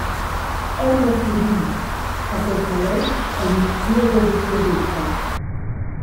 Emma surri, «e ses maletgs ein il spieghel da sia veta.